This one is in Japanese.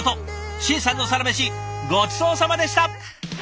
眞さんのサラメシごちそうさまでした！